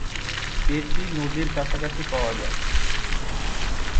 এটি নদীর কাছাকাছি পাওয়া যায়।